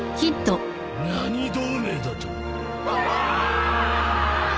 何同盟だと？